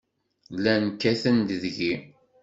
Llan kkaten-d deg-i.